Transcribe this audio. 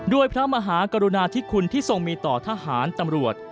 พระมหากรุณาธิคุณที่ทรงมีต่อทหารตำรวจ